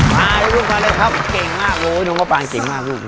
มาดูลูกกันเลยครับเก่งมากเลยน้องมะปางเก่งมากลูก